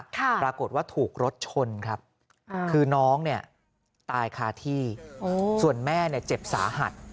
ประกวดว่าถูกรถชนครับคือน้องตายคาที่ส่วนแม่เจ็บสาหัส